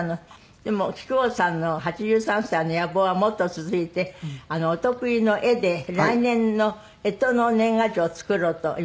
でも木久扇さんの８３歳の野望はもっと続いてお得意の絵で来年の干支の年賀状を作ろうと今。